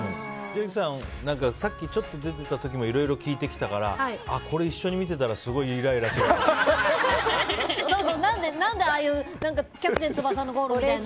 千秋さん、さっきちょっと出てた時もいろいろ聞いてきたからこれ、一緒に見てたら何で「キャプテン翼」